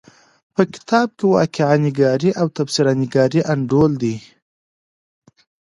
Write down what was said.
په کتاب کې واقعه نګاري او تبصره نګاري انډول دي.